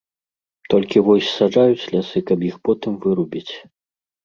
Толькі вось саджаюць лясы, каб іх потым вырубіць.